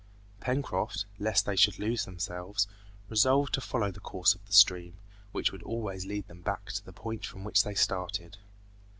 Pencroft, lest they should lose themselves, resolved to follow the course of the stream, which would always lead them back to the point from which they started.